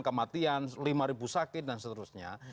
kematian lima ribu sakit dan seterusnya